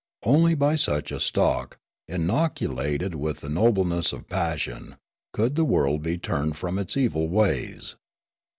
Only b}' such a stock, inoculated with the nobleness of passion, could the world be turned from its evil ways.